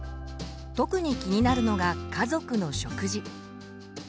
特に気になるのが家族の食事。